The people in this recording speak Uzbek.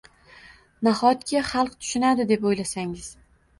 Nahotki xalq tushunadi deb o’ylasangiz?